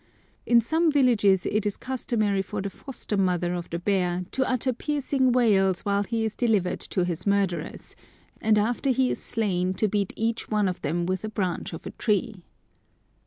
In some villages it is customary for the foster mother of the bear to utter piercing wails while he is delivered to his murderers, and after he is slain to beat each one of them with a branch of a tree.